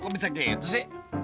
kok bisa gitu sih